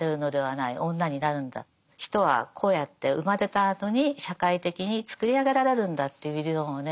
人はこうやって生まれたあとに社会的につくり上げられるんだという理論をね